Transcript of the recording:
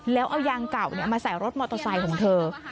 แล้วเอายางเก่ามาใส่รถมอเตอร์ไซค์ของเธอ